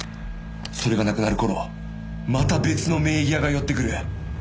それがなくなる頃また別の名義屋が寄ってくる。